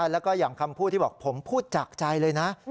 แล้วก็อย่างคำพูดที่บอกผมพูดจากใจเลยนะ